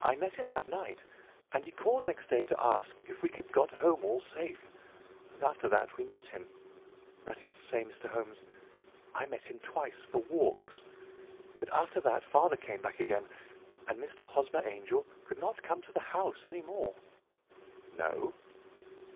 I met him that night, and he called next day to ask if we had got home all safe, and after that we met him—that is to say, Mr. Holmes, I met him twice for walks, but after that father came back again, and Mr. Hosmer Angel could not come to the house any more." "No?"